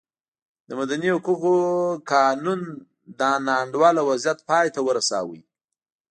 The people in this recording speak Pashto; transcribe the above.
د مدني حقونو قانون دا نا انډوله وضعیت پای ته ورساوه.